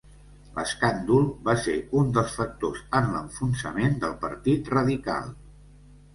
L'escàndol va ser un dels factors en l'enfonsament del Partit Radical.